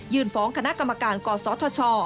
ยื่นฝองคณะกรรมการกศธช